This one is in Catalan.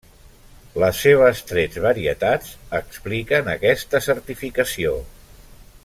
Les seves tres varietats expliquen aquesta certificació.